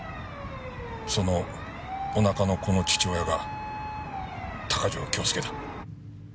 そのおなかの子の父親が鷹城京介だ。